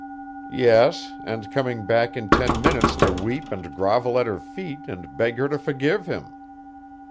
"Yes, and coming back in ten minutes to weep and grovel at her feet and beg her to forgive him.